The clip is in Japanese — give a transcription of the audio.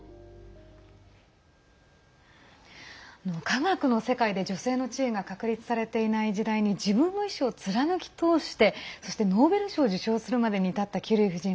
科学の世界で女性の地位が確立されていない時代に自分の意思を貫き通してそして、ノーベル賞を受賞するまでに至ったキュリー夫人